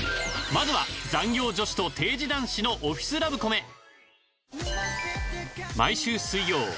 まずは残業女子と定時男子のオフィスラブコメ。